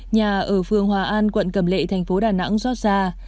nhà ở phường hòa an quận cầm lệ thành phố đà nẵng giót xa